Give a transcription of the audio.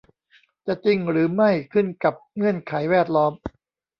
จะจริงหรือไม่ขึ้นกับเงื่อนไขแวดล้อม